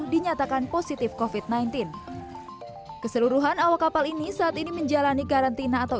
dinyatakan positif kofit sembilan belas keseluruhan awak kapal ini saat ini menjalani karantina atau